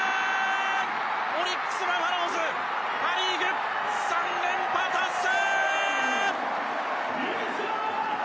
オリックス・バファローズパ・リーグ３連覇達成！